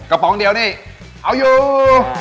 ปองเดียวนี่เอาอยู่